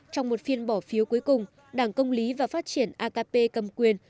trong một phiên bỏ phiếu cuối cùng đảng công lý và phát triển akp cầm quyền